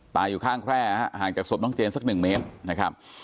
อยู่ข้างแคร่ฮะห่างจากศพน้องเจนสักหนึ่งเมตรนะครับ